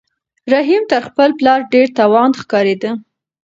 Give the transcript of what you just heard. رحیم تر خپل پلار ډېر توند ښکارېده.